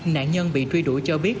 nạn nhân bị truy đuổi cho biết